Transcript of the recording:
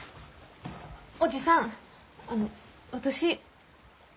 おじさんあの私。